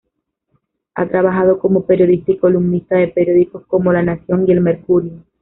Ha trabajado como periodista y columnista de periódicos como "La Nación" y "El Mercurio".